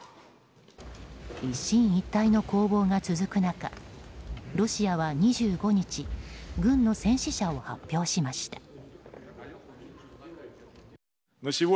一進一退の攻防が続く中ロシアは２５日軍の戦死者を発表しました。